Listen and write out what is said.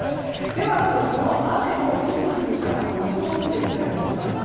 ではまずこの雨がいつ降るか予想を見ていきたいと思います。